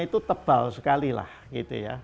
itu tebal sekali lah gitu ya